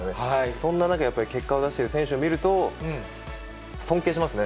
そんな中、やっぱり結果を出している選手を見ると、尊敬しますね。